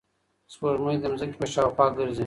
سپوږمۍ د ځمکې په شاوخوا ګرځي.